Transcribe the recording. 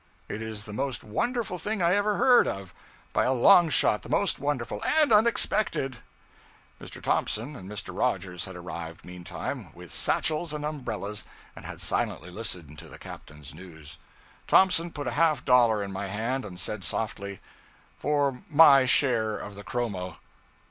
It is the most wonderful thing I ever heard of; by a long shot the most wonderful and unexpected.' Mr. Thompson and Mr. Rogers had arrived, meantime, with satchels and umbrellas, and had silently listened to the captain's news. Thompson put a half dollar in my hand and said softly 'For my share of the chromo.'